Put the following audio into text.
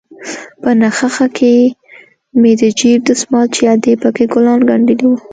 په نخښه کښې مې د جيب دسمال چې ادې پکښې ګلان گنډلي وو.